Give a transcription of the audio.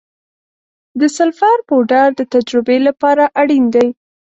د سلفر پوډر د تجربې لپاره اړین دی.